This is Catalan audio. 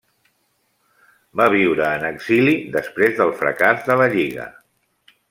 Va viure en exili després del fracàs de la Lliga.